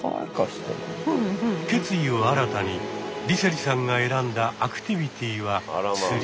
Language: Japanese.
決意を新たに梨星さんが選んだアクティビティは釣り。